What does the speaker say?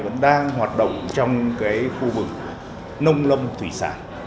vẫn đang hoạt động trong khu vực nông lâm thủy sản